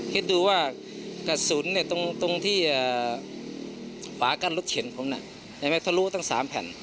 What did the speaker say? คิดดูว่ากระสุนตรงที่ฝากั้นรถเข็นผมน่ะเห็นไหมทะลุตั้ง๓แผ่น